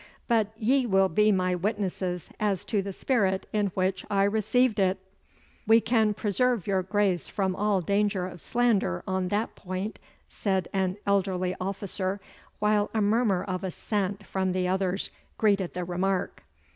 But ye will be my witnesses as to the spirit in which I received it?' 'We can preserve your Grace from all danger of slander on that point,' said an elderly officer, while a murmur of assent from the others greeted the remark.